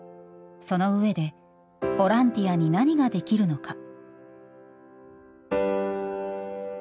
その上でボランティアに何ができるのか。